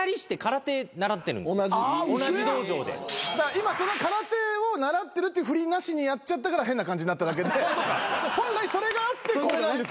今その空手を習ってるっていう振りなしにやっちゃったから変な感じになっただけで本来それがあってこれなんですよすいません。